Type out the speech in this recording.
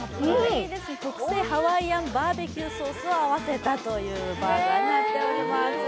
特製ハワイアンバーベキューソースを合わせたバーガーになっています。